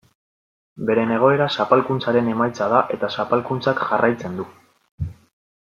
Beren egoera zapalkuntzaren emaitza da eta zapalkuntzak jarraitzen du.